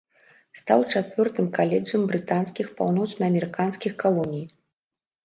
Стаў чацвёртым каледжам брытанскіх паўночнаамерыканскіх калоній.